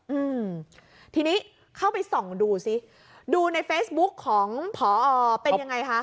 อืมทีนี้เข้าไปส่องดูซิดูในเฟซบุ๊กของผอเป็นยังไงคะ